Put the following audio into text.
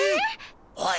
おい！